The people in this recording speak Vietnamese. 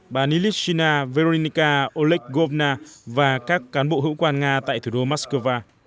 banilichina veronika oleggovna và các cán bộ hữu quan nga tại thủ đô moscow